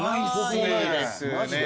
マジで？